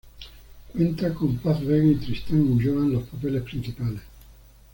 Cuenta con Paz Vega y Tristán Ulloa en los papeles principales.